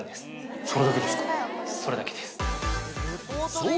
そう！